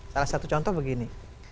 salah satu contoh begini